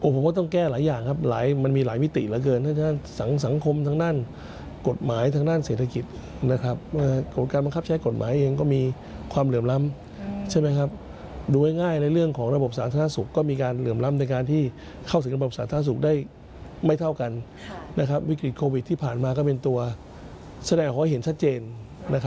ผมก็ต้องแก้หลายอย่างครับมันมีหลายมิติเหลือเกินถ้าสังคมทางด้านกฎหมายทางด้านเศรษฐกิจนะครับผลการบังคับใช้กฎหมายเองก็มีความเหลื่อมล้ำใช่ไหมครับดูง่ายในเรื่องของระบบสาธารณสุขก็มีการเหลื่อมล้ำในการที่เข้าถึงระบบสาธารณสุขได้ไม่เท่ากันนะครับวิกฤตโควิดที่ผ่านมาก็เป็นตัวแสดงออกให้เห็นชัดเจน